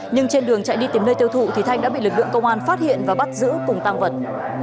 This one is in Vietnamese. nhưng trên đường chạy đi tìm nơi tiêu thụ thì thanh đã bị lực lượng công an phát hiện và bắt giữ cùng tăng vật